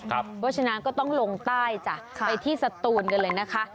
เพราะฉะนั้นก็ต้องลงใต้จ้ะไปที่สตูนกันเลยนะคะ